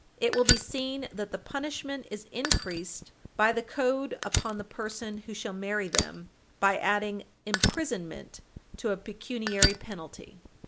It will be seen that the punishment is increased by the code upon the person who shall marry them, by adding imprisonment to a pecuniary penalty.